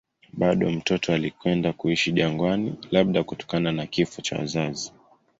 Bado mtoto alikwenda kuishi jangwani, labda kutokana na kifo cha wazazi.